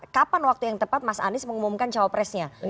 kapan waktu yang tepat mas anies mengumumkan cawapresnya